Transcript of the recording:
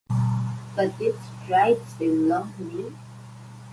But did "Stride" seem long to me?